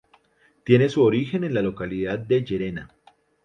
Tiene su origen en la localidad de Llerena.